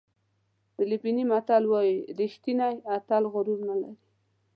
فلپیني متل وایي ریښتینی اتل غرور نه لري.